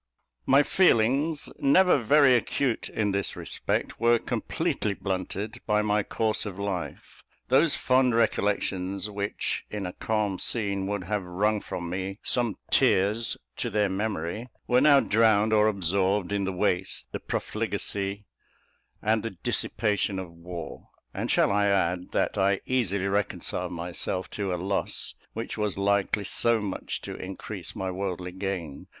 My feelings, never very acute in this respect, were completely blunted by my course of life. Those fond recollections which, in a calm scene, would have wrung from me some tears to their memory, were now drowned or absorbed in the waste, the profligacy, and the dissipation of war; and shall I add, that I easily reconciled myself to a loss which was likely so much to increase my worldly gain.